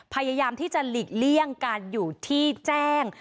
พยายามที่จะหลีกเลี่ยงการอยู่ที่แจ้ง